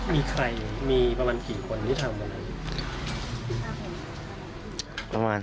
มีใครมีประมาณกี่คนที่ทำยังไง